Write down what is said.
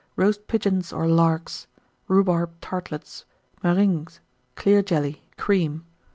Roast Pigeons or Larks. Rhubarb Tartlets. Meringues. Clear Jelly. Cream.